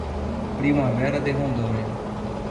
Primavera de Rondônia